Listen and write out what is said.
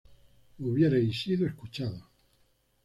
hubiérais sido escuchados